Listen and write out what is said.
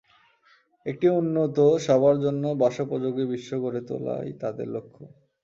একটি উন্নত সবার জন্য বাসোপযোগী বিশ্ব গড়ে তোলাই তাদের লক্ষ্য!